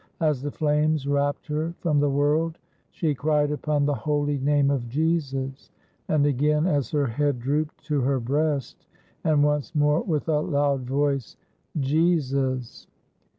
As the flames wrapped her from the world, she cried upon the Holy Name of Jesus, and again as her head drooped to her breast, and once more, with a loud voice: "Jesus."